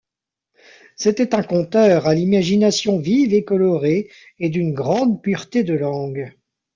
C'était un conteur à l’imagination vive et colorée et d’une grande pureté de langue.